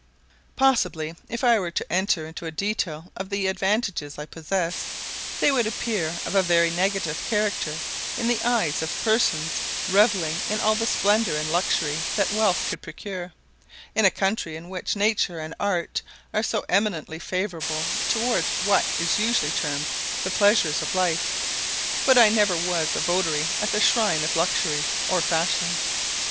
Possibly, if I were to enter into a detail of the advantages I possess, they would appear of a very negative character in the eyes of persons revelling in all the splendour and luxury that wealth could procure, in a country in which nature and art are so eminently favourable towards what is usually termed the pleasures of life; but I never was a votary at the shrine of luxury or fashion.